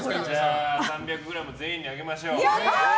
じゃあ３００ｇ全員にあげましょう。